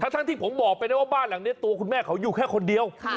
ทั้งที่ผมบอกไปนะว่าบ้านหลังนี้ตัวคุณแม่เขาอยู่แค่คนเดียว